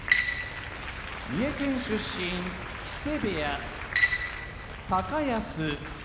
三重県出身木瀬部屋高安